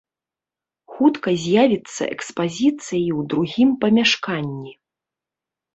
Хутка з'явіцца экспазіцыя і ў другім памяшканні.